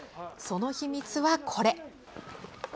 その秘密はこれ。